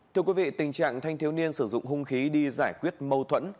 thưa quý vị tình trạng thanh thiếu niên sử dụng hung khí đi giải quyết mâu thuẫn